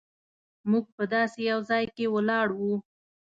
موږ په داسې یو ځای کې ولاړ وو.